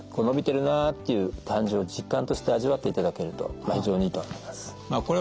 伸びてるなっていう感じを実感として味わっていただけると非常にいいと思います。